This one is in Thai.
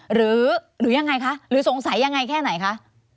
หรือยังไงคะหรือสงสัยยังไงแค่ไหนคะ